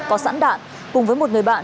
có sẵn đạn cùng với một người bạn